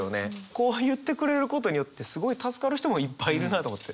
こう言ってくれることによってすごい助かる人もいっぱいいるなと思って。